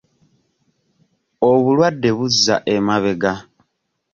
Obulwadde buzza emabega.